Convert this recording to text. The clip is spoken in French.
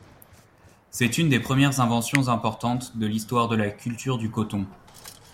C'est une des premières inventions importantes de l'histoire de la culture du coton.